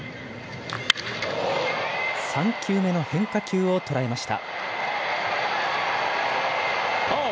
３球目の変化球を捉えました。